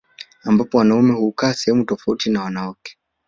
Ambapo wanaume hukaa sehemu tofauti na wanawake